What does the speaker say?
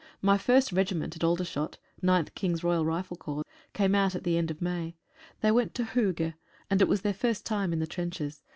My first regiment (at Aldershot) — 9th King's Royal Rifle Corps — came out at the end of May. They went to Hooge, and it was their first time in the trenches.